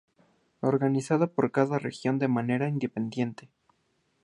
Organizada por cada región de manera independiente.